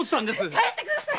帰ってください！